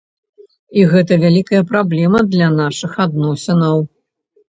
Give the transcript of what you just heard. І гэта вялікая праблема для нашых адносінаў.